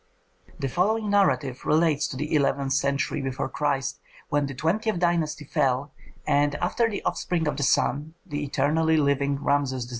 The following narrative relates to the eleventh century before Christ, when the twentieth dynasty fell, and after the offspring of the sun, the eternally living Rameses XIII.